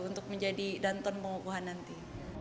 untuk menjadi danton pengukuhan nanti